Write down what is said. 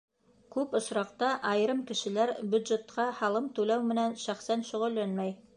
Күп осраҡта айырым кешеләр бюджетҡа һалым түләү менән шәхсән шөғөлләнмәй.